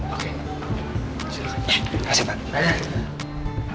oke terima kasih pak